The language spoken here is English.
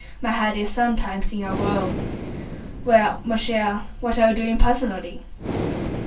My head is sometimes in a whirl. Well, mon cher, what are you doing personally?"